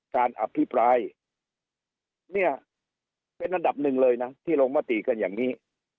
การอภิปรายเนี่ยเป็นอันดับหนึ่งเลยนะที่ลงมติกันอย่างนี้